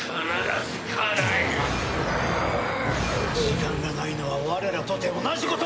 時間がないのは我らとて同じこと！